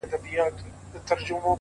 • دا ټپه ورته ډالۍ كړو دواړه ـ